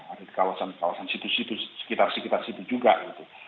ada di kawasan kawasan situ situ sekitar sekitar situ juga gitu